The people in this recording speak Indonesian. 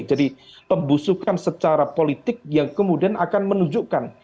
jadi pembusukan secara politik yang kemudian akan menunjukkan